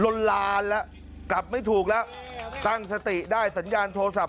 ลนลานแล้วกลับไม่ถูกแล้วตั้งสติได้สัญญาณโทรศัพท์